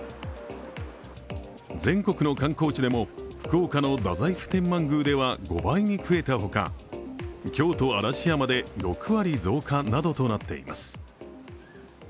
全国の観光地でも福岡の太宰府天満宮では５倍に増えたほか京都・嵐山で６割増加などとなっています。